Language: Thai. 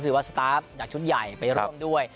ว่าสตาร์ฟจากชุดใหญ่ไปร่วมด้วย